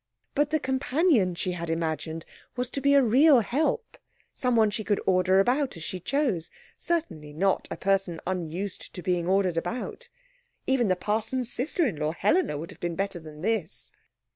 But the companion she had imagined was to be a real help, someone she could order about as she chose, certainly not a person unused to being ordered about. Even the parson's sister in law Helena would have been better than this.